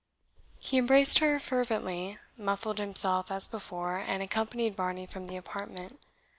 He embraced her fervently, muffled himself as before, and accompanied Varney from the apartment.